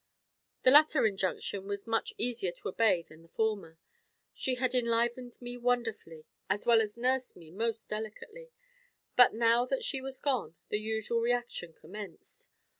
The latter injunction was much easier to obey than the former. She had enlivened me wonderfully, as well as nursed me most delicately; but now that she was gone, the usual reaction commenced.